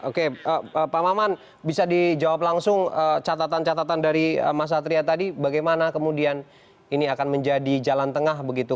oke pak maman bisa dijawab langsung catatan catatan dari mas satria tadi bagaimana kemudian ini akan menjadi jalan tengah begitu